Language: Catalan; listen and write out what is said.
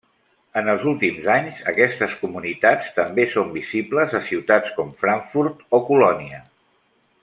En els últims anys aquestes comunitats també són visibles a ciutats com Frankfurt o Colònia.